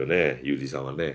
ユーリさんはね。